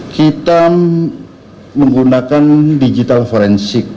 kita menggunakan digital forensik